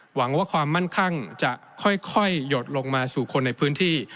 หวังว่าความมั่นคั่งจะค่อยหยดลงมาสู่คนในพื้นที่